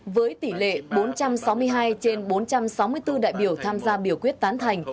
với tỷ lệ bốn trăm sáu mươi hai trên bốn trăm sáu mươi bốn đại biểu tham gia biểu quyết tán thành